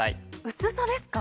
薄さですか？